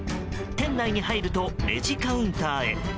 店内に入るとレジカウンターへ。